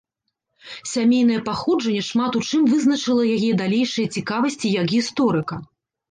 Сямейнае паходжанне шмат у чым вызначыла яе далейшыя цікавасці як гісторыка.